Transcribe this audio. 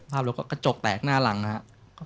สภาพรถก็กระจกแตกหน้าหลังครับ